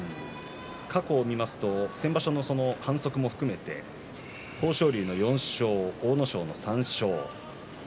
過去は先場所の反則を含めて豊昇龍の４勝、阿武咲の３勝。